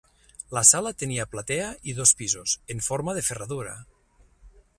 La sala tenia platea i dos pisos, en forma de ferradura.